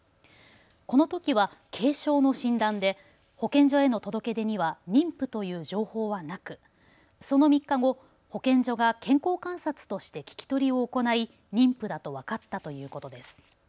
このときは軽症の診断で保健所への届け出には妊婦という情報はなくその３日後、保健所が健康観察として聞き取りを行い妊婦だと分かったということです。